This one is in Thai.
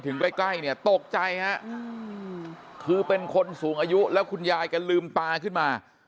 ใกล้ใกล้เนี่ยตกใจฮะคือเป็นคนสูงอายุแล้วคุณยายแกลืมตาขึ้นมา